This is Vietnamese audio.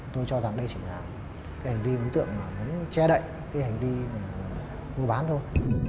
tôi cho rằng đây chỉ là hành vi mục đích nhân đạo mà muốn che đậy hành vi mua bán thôi